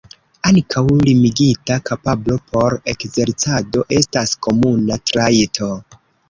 Ankaŭ limigita kapablo por ekzercado estas komuna trajto.